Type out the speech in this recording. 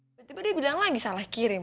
tiba tiba dia bilang lagi salah kirim